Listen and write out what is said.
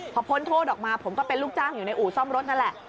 พอพ้นโทษออกมาผมก็เป็นลูกจ้างอยู่ในอู่ซ่อมรถนั่นแหละ